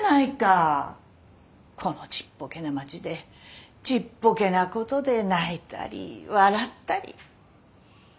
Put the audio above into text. このちっぽけな町でちっぽけなことで泣いたり笑ったり。